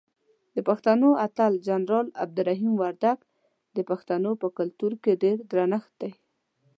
دپښتنو اتل جنرال عبدالرحیم وردک دپښتنو په کلتور کې ډیر درنښت دی.